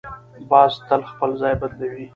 باز تل خپل ځای بدلوي